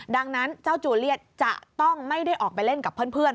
ดังนั้นเจ้าจูเลียสจะต้องไม่ได้ออกไปเล่นกับเพื่อน